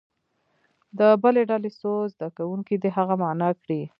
د بلې ډلې څو زده کوونکي دې هغه معنا کړي.